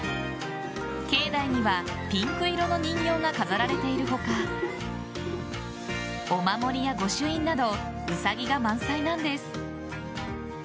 境内にはピンク色の人形が飾られている他お守りや御朱印などウサギが満載なんです。